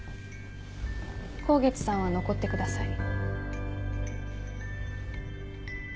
香月さんは残ってください。